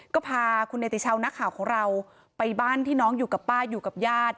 ก็พาคุณเนติชาวนักข่าวของเราไปบ้านที่น้องอยู่กับป้าอยู่กับญาติ